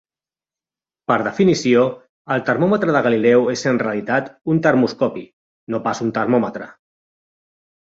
Per definició, el termòmetre de Galileu és en realitat un termoscopi, no pas un termòmetre.